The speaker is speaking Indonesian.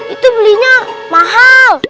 itu belinya mahal